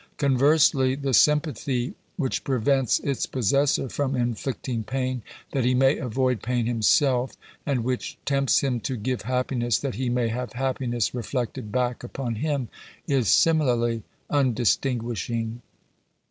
Conversely, Digitized by VjOOQIC GENERAL CONSIDERATIONS. 413 the sympathy which prevents its possessor from inflicting pain, that he may avoid pain himself, and which tempts him to give happiness that he may have happiness reflected back upon him, is similarly undistinguishing.